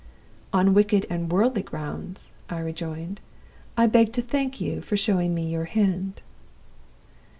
"'On wicked and worldly grounds,' I rejoined, 'I beg to thank you for showing me your hand.